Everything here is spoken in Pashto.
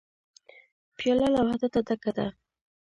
پیاله له وحدته ډکه ده.